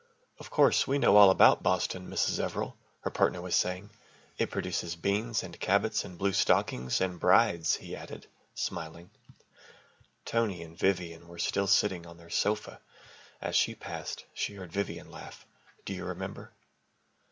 "Of course, we know all about Boston, Mrs. Everill," her partner was saying, "it produces beans and Cabots and blue stockings and brides," he added, smiling. Tony and Vivian were still sitting on their sofa. As she passed, she heard Vivian laugh, "Do you remember?"